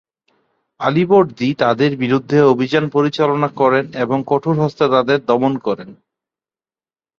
আলীবর্দী তাদের বিরুদ্ধে অভিযান পরিচালনা করেন এবং কঠোর হস্তে তাদের দমন করেন।